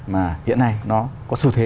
mà hiện nay nó có sự thế